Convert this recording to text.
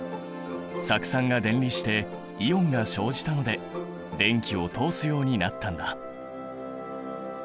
酢酸が電離してイオンが生じたので電気を通すようになったんだ。